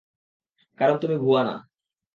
কারণ, তুমি ভুয়া না।